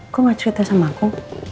gue gak cerita sama aku